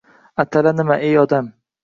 — Atala nima, ey odam?